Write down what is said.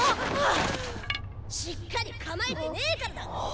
しっかり構えてねーからだッ！